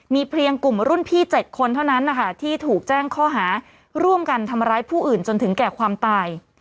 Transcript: มีเพียงกลุ่มรุ่นพี่๗คนเท่านั้นนะคะที่ถูกแจ้งข้อหาร่วมกันทำร้ายผู้อื่นจนถึงแก่ความตาย